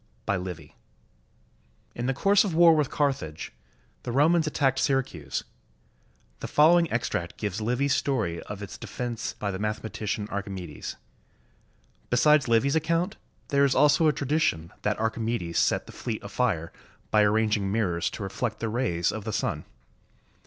] BY LIVY [In the course of the war with Carthage, the Romans at tacked Syracuse. The following extract gives Livy's story of its defense by the mathematician Archimedes. Besides Livy's account, there is also a tradition that Archimedes set the fleet afire by arranging mirrors to reflect the rays of the sun.